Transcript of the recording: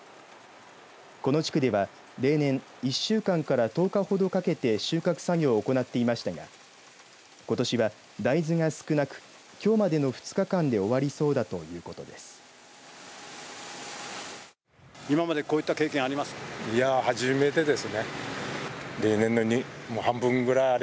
この地区では例年１週間から１０日程かけて収穫作業を行っていましたがことしは大豆が少なくきょうまでの２日間で終わりそうだということです。